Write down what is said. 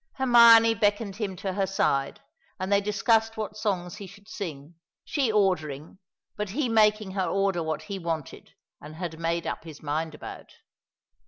Hermione beckoned him to her side, and they discussed what songs he should sing; she ordering, but he making her order what he wanted and had made up his mind about.